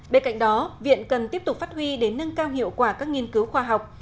bên cạnh đó viện cần tiếp tục phát huy để nâng cao hiệu quả các nghiên cứu khoa học